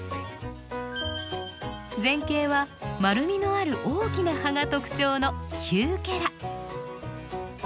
前景は丸みのある大きな葉が特徴のヒューケラ。